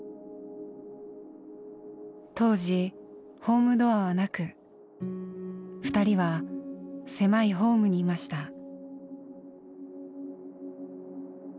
当時ホームドアはなく二人は狭いホームにいました。